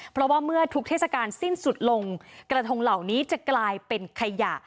เพราะว่าเมื่อทุกเทศกาลสิ้นสุดลงกระทงเหล่านี้จะกลายเป็นขยะ